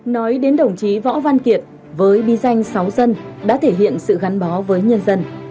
nói đến đồng chí võ văn kiệt với bí danh sáu dân đã thể hiện sự gắn bó với nhân dân